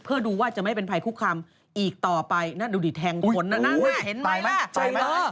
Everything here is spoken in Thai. เพื่อดูว่าจะไม่เป็นภัยคุกคลามอีกต่อไปดูดิแทงคนนะน่าเห็นไหมล่ะ